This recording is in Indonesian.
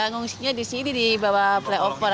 ngungsinya di sini di bawah playoffer